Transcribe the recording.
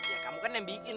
ya kamu kan yang bikin ken